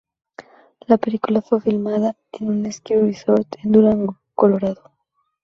La película fue filmada en un ski resort en Durango, Colorado.